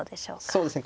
そうですね。